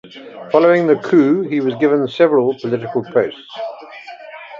Following the Coup, he was given several political posts.